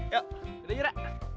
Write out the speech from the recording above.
yuk kita jura